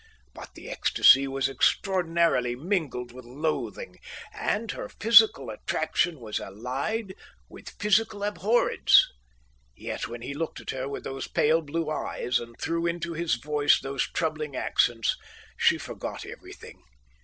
But the ecstasy was extraordinarily mingled with loathing, and her physical attraction was allied with physical abhorrence. Yet when he looked at her with those pale blue eyes, and threw into his voice those troubling accents, she forgot everything.